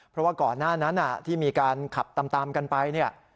เพราะว่าก่อนหน้านั้นที่มีการขับตามกันไปเนี่ย